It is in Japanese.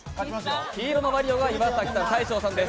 黄色のマリオが岩崎大昇さんです。